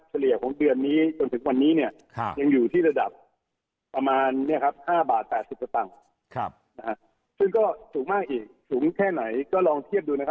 สูงมากอีกสูงแน่นไหนลองชงความเชื่อดู